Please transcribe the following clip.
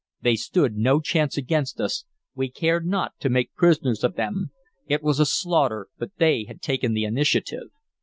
They stood no chance against us; we cared not to make prisoners of them; it was a slaughter, but they had taken the initiative.